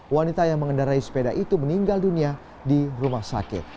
wanita yang mengendarai sepeda itu meninggal dunia di rumah sakit